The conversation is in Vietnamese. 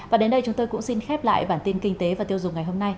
và đến đây chúng tôi cũng xin khép lại bản tin kinh tế và tiêu dùng ngày hôm nay